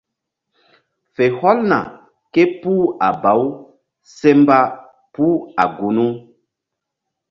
Fe hɔlna képuh a baw se mba puh a gunu.